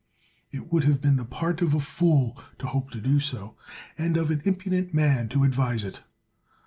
It would have been the part of a fool to hope to do so, and of an impudent man to advise it.